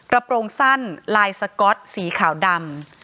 โปรงสั้นลายสก๊อตสีขาวดำ